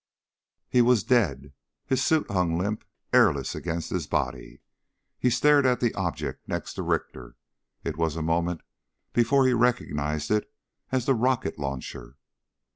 He was dead. His suit hung limp, airless against his body. He stared at the object next to Richter. It was a moment before he recognized it as the rocket launcher.